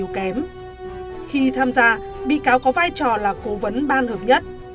khi tham gia bị cáo có vai trò là cố vấn ban hợp nhất